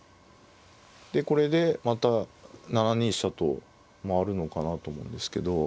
でこれでまた７二飛車と回るのかなと思うんですけど。